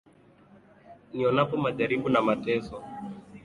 Nionapo majaribu na mateso,